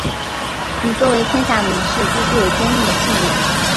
你作为天下名士必须有坚定的信念！